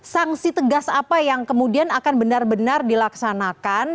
sanksi tegas apa yang kemudian akan benar benar dilaksanakan